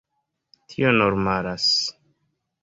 Tio normalas.